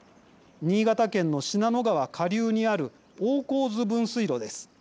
新潟県の信濃川下流にある大河津分水路です。